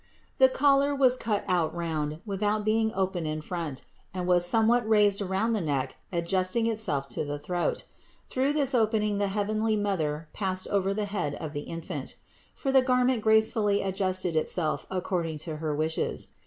The collar was cut out round, without being open in front, and was somewhat raised around the neck adjusting itself to the throat. Through this opening the heavenly Mother passed it over the head of the Infant; for the garment gracefully adjusted it self according to her wishes.